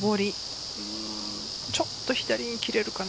上り、ちょっと左に切れるかな。